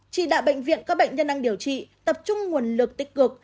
chỉ đạo bệnh viện các bệnh nhân đang điều trị tập trung nguồn lực tích cực